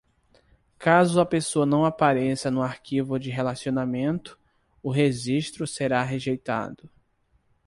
Caso a pessoa não apareça no arquivo de relacionamento, o registro será rejeitado.